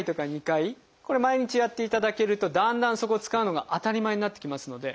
これを毎日やっていただけるとだんだんそこを使うのが当たり前になってきますので。